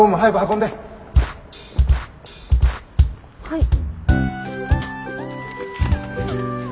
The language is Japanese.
はい。